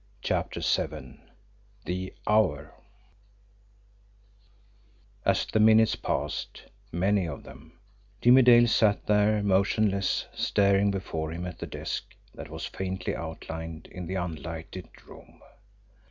CHAPTER VII THE "HOUR" As the minutes passed, many of them, Jimmie Dale sat there motionless, staring before him at the desk that was faintly outlined in the unlighted room.